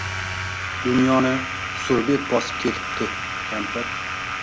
— Dunyoni... surbet bosib ketibdi, kampir.